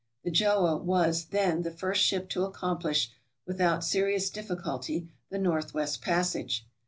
The "Gjoa" was, then, the first ship to accomplish, without serious difficulty, the northwest passage.